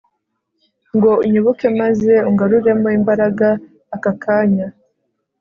ngo unyibuke maze ungaruremo imbaraga aka kanya